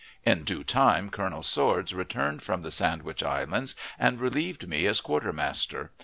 In due time Colonel Swords returned from the Sandwich Islands and relieved me as quartermaster.